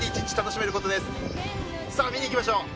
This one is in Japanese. さあ見に行きましょう！